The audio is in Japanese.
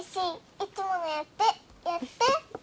いつものやってやって。